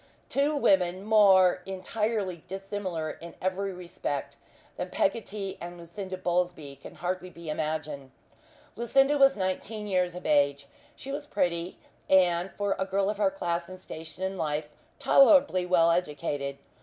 Two women more entirely dissimilar, in every respect, than Peggotty and Lucinda Bowlsby can hardly be imagined. Lucinda was nineteen years of age. She was pretty, and, for a girl of her class and station in life, tolerably well educated.